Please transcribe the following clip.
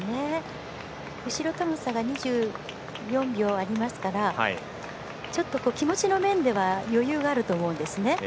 後ろとの差が２４秒ありますからちょっと気持ちの面では余裕があると思うんですね。